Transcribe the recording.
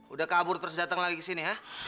udah kabur terus datang lagi ke sini ya